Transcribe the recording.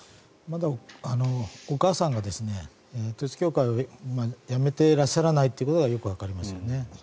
まだお母さんが統一教会をやめていらっしゃらないということがよくわかりますよね。